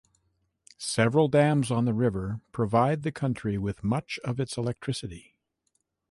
Several dams on the river provide the country with much of its electricity.